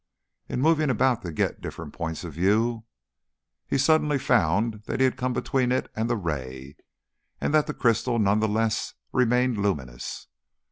In moving about to get different points of view, he suddenly found that he had come between it and the ray, and that the crystal none the less remained luminous.